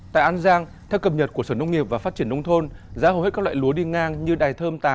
tại an giang theo cập nhật của sở nông nghiệp và phát triển nông thôn giá hầu hết các loại lúa đi ngang như đài thơm tám